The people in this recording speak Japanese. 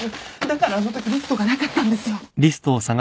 だからあのときリストがなかったんですよ。